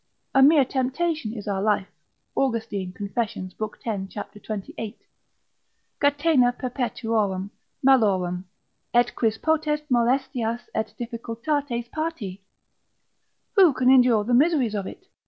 A mere temptation is our life, (Austin, confess. lib. 10. cap. 28,) catena perpetuorum malorum, et quis potest molestias et difficultates pati? Who can endure the miseries of it?